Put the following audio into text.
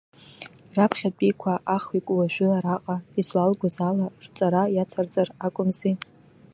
Раԥхьатәиқәа ахҩык уажәы араҟа излалгоз ала, рҵара иацырҵар акәымзи.